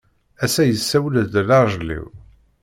Ass-a yessawel-d lajel-iw.